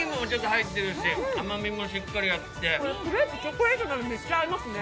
チョコレートなのにめっちゃ合いますね。